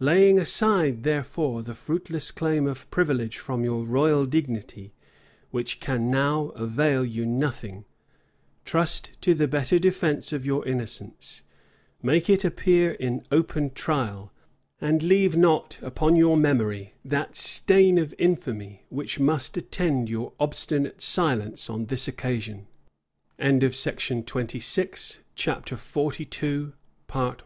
Laying aside, therefore, the fruitless claim of privilege from your royal dignity, which can now avail you nothing, trust to the better defence of your innocence, make it appear in open trial, and leave not upon your memory that stain of infamy which must attend your obstinate silence on this occasion." [*]* Camden, p. 523. By this artful speech, Mary was pers